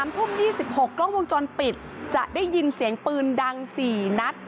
๓ทุ่ม๒๖กล้องวงจรปิดจะได้ยินเสียงปืนดัง๔นัด